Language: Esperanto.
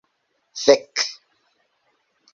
Fek'!